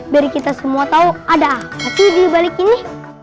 biar kita semua tau ada apa sih dibalik ini